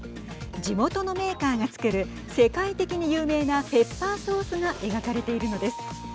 地元のメーカーが作る世界的に有名なペッパーソースが描かれているのです。